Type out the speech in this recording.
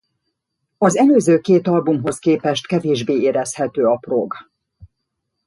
Az előző két albumhoz képest kevésbe érezhető a prog.